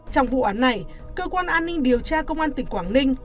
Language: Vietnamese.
trong vụ án này cơ quan an ninh điều tra công an tỉnh quảng ninh